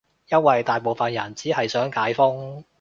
因爲大部分人只係想解封